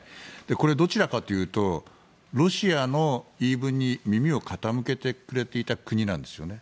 これどちらかというとロシアの言い分に耳を傾けてくれていた国なんですよね。